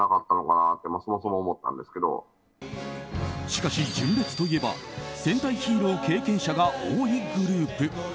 しかし、純烈といえば戦隊ヒーロー経験者が多いグループ。